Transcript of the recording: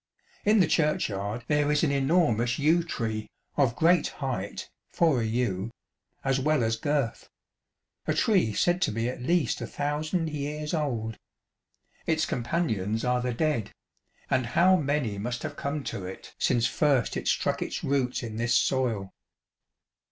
In the churchyard there is an enormous yew tree, of great height (for a yew) as well as girth ŌĆö a tree said to be at least a thousand years old. Its companions are the dead ; and how many must have come to it since first it struck its roots in this soil